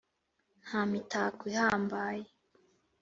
nta mitako ihambaye,